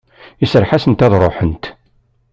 Iserreḥ-asent ad ruḥent.